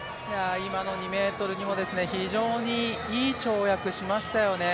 今の２ｍ２も、非常にいい跳躍しましたよね